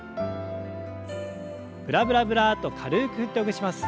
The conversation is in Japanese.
ブラブラブラッと軽く振ってほぐします。